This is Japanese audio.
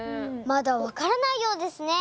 まだわからないようですね。